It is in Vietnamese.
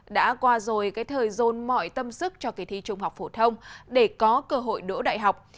đã qua rồi cái thời dồn mọi tâm sức cho kỳ thi trung học phổ thông để có cơ hội đỗ đại học